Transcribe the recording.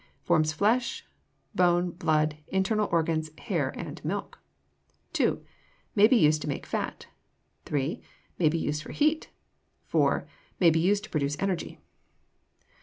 Forms flesh, bone, blood, internal organs, hair, and milk. 2. May be used to make fat. 3. May be used for heat. 4. May be used to produce energy.